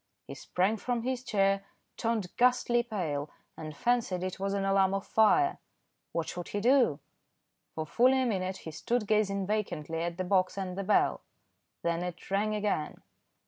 He sprang from his chair, turned ghastly pale, and fancied it was an alarm of fire. What should he do? For fully a minute he stood gazing vacantly at the box and the bell. Then it rang again.